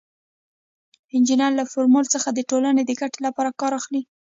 انجینر له فورمول څخه د ټولنې د ګټې لپاره کار اخلي.